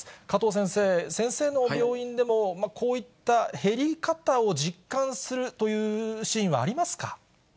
加藤先生、先生の病院でも、こういった減り方を実感するというシーンはありますか？